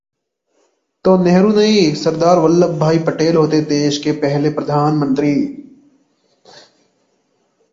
तो नेहरू नहीं, सरदार वल्लभभाई पटेल होते देश के पहले प्रधानमंत्री!